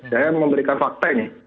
saya memberikan fakta ini